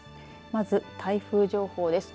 まず、台風情報です。